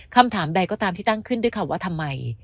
คำถามใดก็ตามที่ตั้งขึ้นด้วยคำว่าทำไม